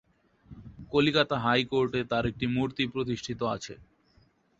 কলিকাতা হাইকোর্টে তার একটি মুর্তি প্রতিষ্ঠিত আছে।